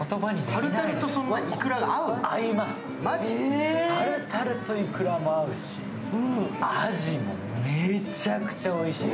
タルタルといくらも合うし、アジもめちゃくちゃおいしい。